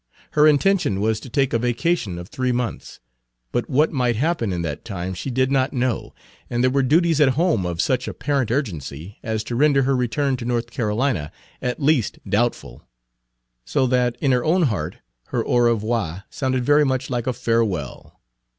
Her intention was to take a vacation of three months; but what might happen in that time she did not know, and there were duties at home of such apparent urgency as to render her return to North Carolina at least doubtful; so that in her own heart her au revoir sounded very much like a farewell.